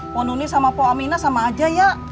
poh nunik sama poh aminah sama aja ya